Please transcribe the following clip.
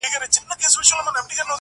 • ستا پر لوري د اسمان سترګي ړندې دي -